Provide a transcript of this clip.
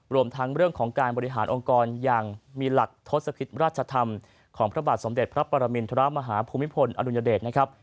รวมทั้งเรื่องของการบริหารองค์กรอย่างมีหลักทศพิษราชธรรมของพระบาทสมเด็จพระปรมินทรมาฮาภูมิพลอดุญเดชนะครับ